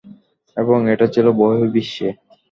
এবং এটা ছিল বহির্বিশ্বে।